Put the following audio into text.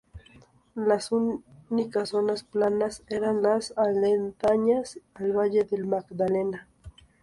Las únicas zonas planas eran las aledañas al valle del Magdalena.